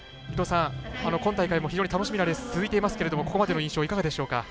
今大会も非常に楽しみなレースが続いていますけど、ここまでの印象はいかがでしょうか？